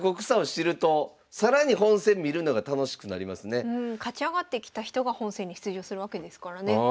いやこれ勝ち上がってきた人が本戦に出場するわけですからね。